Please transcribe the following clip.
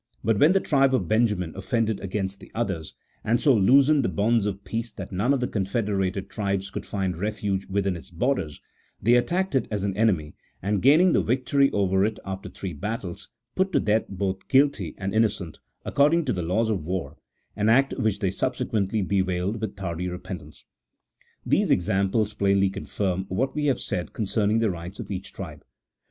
But when the tribe of Benjamin offended against the others, and so loosened the bonds of peace that none of the confederated tribes could find refuge within its borders, they attacked it as an enemy, and gaining the vic tory over it after three battles, put to death both guilty and innocent, according to the laws of war : an act which they subsequently bewailed with tardy repentance. These examples plainly confirm what we have said con cerning the rights of each tribe.